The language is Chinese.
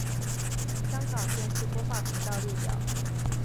香港电视播放频道列表